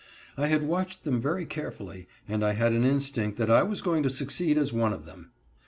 I had watched them very carefully, and I had an instinct that I was going to succeed as one of them.